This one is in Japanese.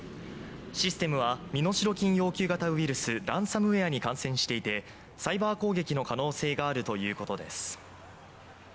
システムは身代金要求型ウイルスランサムウエアに感染していてサイバー攻撃の可能性があるということです。